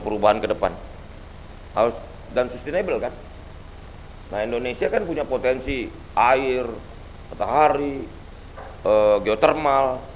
perubahan kedepan house dan sustainable kan indonesia kan punya potensi air petahari geotermal